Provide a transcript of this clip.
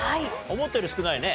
思ったより少ないね。